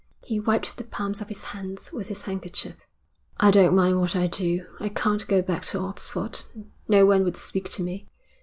He wiped the palms of his hands with his handkerchief. 'I don't mind what I do. I can't go back to Oxford; no one would speak to me.